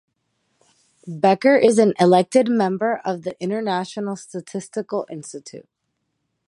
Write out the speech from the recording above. Bekker is an Elected Member of the International Statistical Institute.